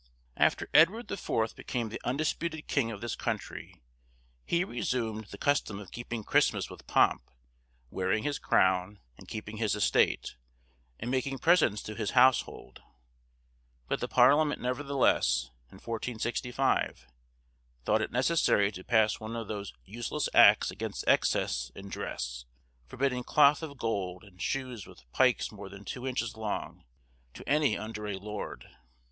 After Edward the Fourth became the undisputed king of this country, he resumed the custom of keeping Christmas with pomp, wearing his crown, and keeping his estate, and making presents to his household; but the parliament nevertheless, in 1465, thought it necessary to pass one of those useless acts against excess in dress, forbidding cloth of gold, and shoes with pikes more than two inches long, to any under a lord.